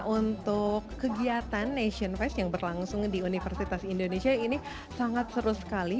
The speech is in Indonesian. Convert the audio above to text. untuk kegiatan nation fest yang berlangsung di universitas indonesia ini sangat seru sekali